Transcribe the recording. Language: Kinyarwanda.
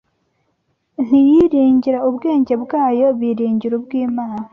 ntiyiringira ubwenge bwayo biringira ubw’ Imana